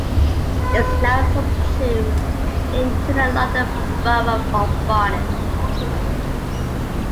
It is now subsumed into the London Borough of Barnet.